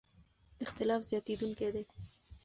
اختلاف زیاتېدونکی دی.